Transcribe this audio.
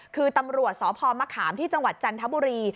คือตำรวจสพมะขามที่จังหวัดจันทบุรี